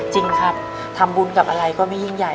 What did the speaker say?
จริงครับทำบุญกับอะไรก็ไม่ยิ่งใหญ่